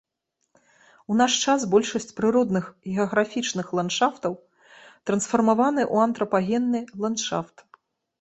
У наш час большасць прыродных геаграфічных ландшафтаў трансфармаваны ў антрапагенны ландшафт.